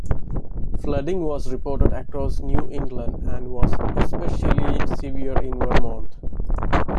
Flooding was reported across New England and was especially severe in Vermont.